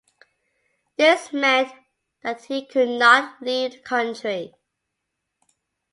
This meant that he could not leave the country.